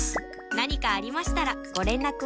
何かありましたらご連絡を！